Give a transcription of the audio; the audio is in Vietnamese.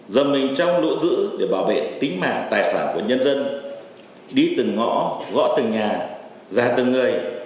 dòng mình trong lũ dữ để bảo vệ tính mạng tài sản của nhân dân đi từng ngõ gõ từng nhà ra từng người